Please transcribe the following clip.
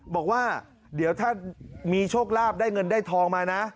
บอกว่าเดี๋ยวถ้ามีโชคลาภได้เงินได้ทองมานะ